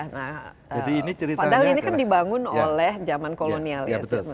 nah padahal ini kan dibangun oleh zaman kolonial ya